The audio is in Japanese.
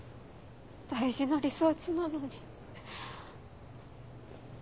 大事なリサーチなのに。